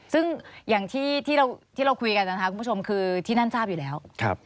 ซึ่งอย่างที่เราคุยกันนะคะคุณผู้ชมคือที่นั่นทราบอยู่แล้ว